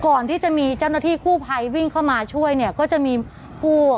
ก่อนที่จะมีเจ้าหน้าที่กู้ภัยวิ่งเข้ามาช่วยเนี่ยก็จะมีกู้